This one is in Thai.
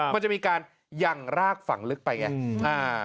มันจะมีการยั่งรากฝั่งลึกไปแค่นี้